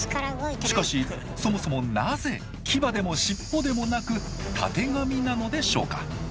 しかしそもそもなぜ牙でも尻尾でもなくたてがみなのでしょうか。